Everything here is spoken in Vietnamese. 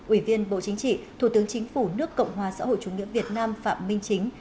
ủy viên bộ chính trị thủ tướng chính phủ nước cộng hòa xã hội chủ nghĩa việt nam phạm minh chính